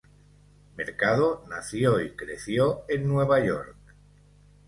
Mercado nació y creció en Nueva York.